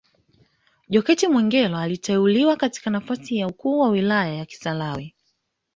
Jokate Mwegelo aliteuliwa katika nafasi ya ukuu wa wilaya ya Kisarawe